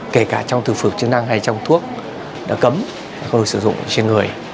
kể cả trong thực phẩm chức năng hay trong thuốc đã cấm không sử dụng trên người